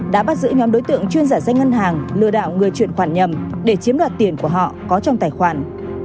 đã bắt giữ nhóm đối tượng chuyên giả danh ngân hàng lừa đảo người chuyển khoản nhầm để chiếm đoạt tiền của họ có trong tài khoản